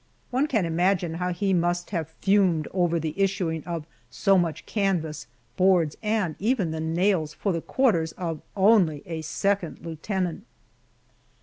One can imagine how he must have fumed over the issuing of so much canvas, boards, and even the nails for the quarters of only a second lieutenant!